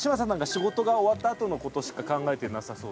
仕事が終わったあとの事しか考えてなさそう？